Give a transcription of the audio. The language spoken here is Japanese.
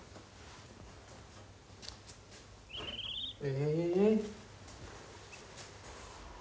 え？